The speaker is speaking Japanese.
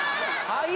はい！